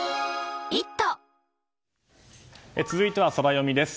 続いてはソラよみです。